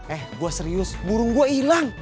eh gua serius burung gua ilang